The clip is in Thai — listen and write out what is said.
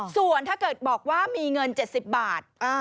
ส่วนถ้าเกิดบอกว่ามีเงิน๗๐บาท